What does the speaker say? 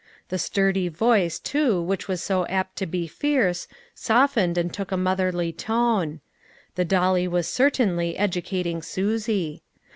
The sturdy voice, too, which was so apt to be fierce, softened and took a motherly tone ; the dolly was certainly educating Susie.